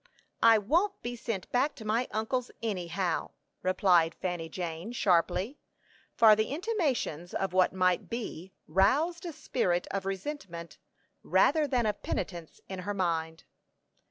"I won't be sent back to my uncle's, any how," replied Fanny Jane, sharply; for the intimations of what might be, roused a spirit of resentment, rather than of penitence, in her mind.